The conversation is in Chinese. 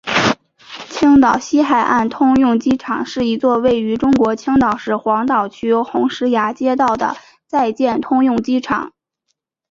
青岛西海岸通用机场是一座位于中国青岛市黄岛区红石崖街道的在建通用机场。